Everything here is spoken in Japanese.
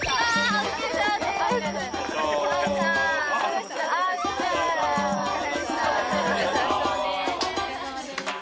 お疲れさまです